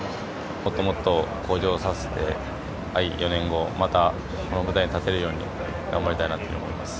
もっともっと向上させて４年後、またこの舞台に立てるように頑張りたいと思います。